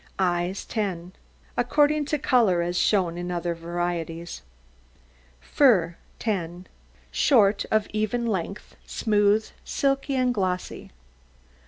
EYES 10 According to colour, as shown in other varieties. FUR 10 Short, of even length, smooth, silky, and glossy.